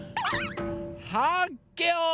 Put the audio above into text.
はっけよい。